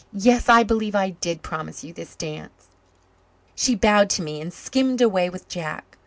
Yes, I believe I did promise you this dance." She bowed to me and skimmed away with Jack.